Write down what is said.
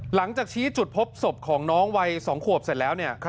หลังจากชี้จุดพบศพของน้องวัย๒ขวบเสร็จแล้ว